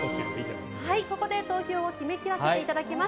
ここで投票を締め切らせていただきます。